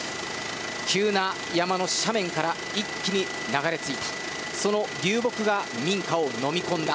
急な山の斜面から一気に流れ着いたその流木が民家をのみ込んだ。